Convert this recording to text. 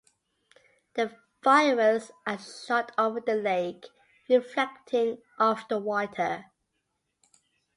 The fireworks are shot over the lake, reflecting off the water.